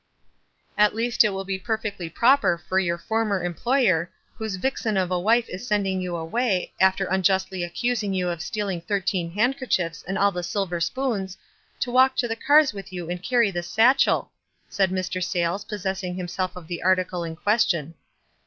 "At least it will be perfectly proper for your former employer, whose vixen of a wife is send ing you away, after unjustly accusing you of stealing thirteen handkerchiefs and all the silver spoons, to walk to the cars with you and carry this satchel," said Mr. Sayles, possessing him self of the article in question.